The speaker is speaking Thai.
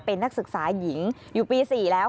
เป็นนักศึกษาหญิงอยู่ปี๔แล้ว